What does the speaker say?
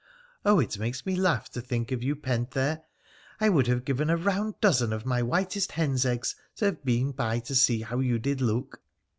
Oh, it makes me laugh to think of you pent there ! I would have given a round dozen of my whitest hen's eggs to have been by to see how you did look.'